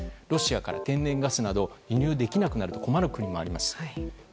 ロシアから天然ガスなど輸入できなくなると困る国があります。